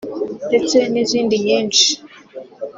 ndetse n’izindi nyinshi